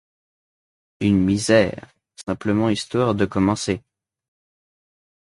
Une misère, simplement histoire de commencer.